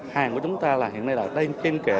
hàng của chúng ta hiện nay là trên kề